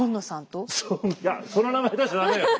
その名前出しちゃ駄目だよ。